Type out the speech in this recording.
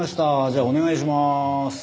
じゃあお願いします。